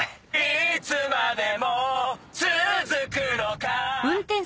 いつまでも続くのか